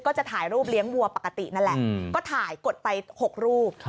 จะถ่ายรูปเลี้ยงวัวปกตินั่นแหละก็ถ่ายกดไป๖รูป